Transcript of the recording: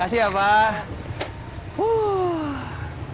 ya kasih ya pak